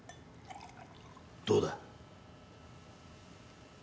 どうだ？